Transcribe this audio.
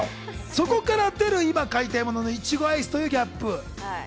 そこから出る、買いたいものはいちごアイスというキャップ。